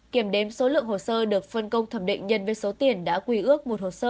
kiểm đếm số lượng hồ sơ được phân công thẩm định nhân với số tiền đã quy ước một hồ sơ